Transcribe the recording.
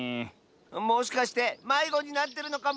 もしかしてまいごになってるのかも。